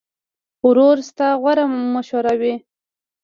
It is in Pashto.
ورور ستا غوره مشوره وي.